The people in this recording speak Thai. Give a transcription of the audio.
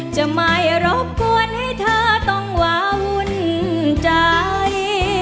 จะไม่รบกวนให้เธอต้องวาวุ่นใจ